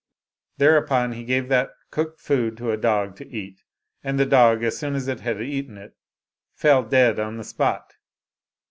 Thereupon he gave that cooked food to a dog to eat, and the dog, as soon as he had eaten it, fell dead upon the spot.